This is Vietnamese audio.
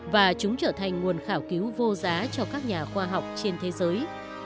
và chúng trở thành nguồn khảo cứu vô giá cho các nhà khoa học trên thế giới